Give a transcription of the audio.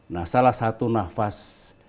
nah salah satu nafas